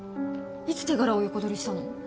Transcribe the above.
いつ手柄を横取りしたの？